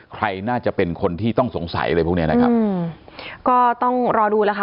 ใครน่าจะเป็นคนที่ต้องสงสัยอะไรพวกเนี้ยนะครับอืมก็ต้องรอดูแล้วค่ะ